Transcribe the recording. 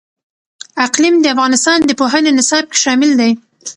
اقلیم د افغانستان د پوهنې نصاب کې شامل دي.